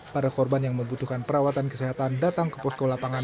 para korban yang membutuhkan perawatan kesehatan datang ke posko lapangan